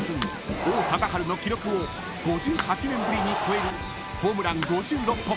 王貞治の記録を５８年ぶりに超えるホームラン５６本］